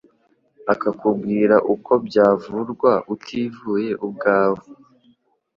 akakubwira uko byavurwa utivuye ubwawe.